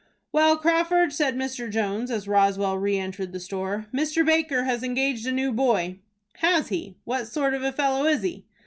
"Well, Crawford," said Mr. Jones, as Roswell re entered the store, "Mr. Baker has engaged a new boy." "Has he? What sort of a fellow is he?"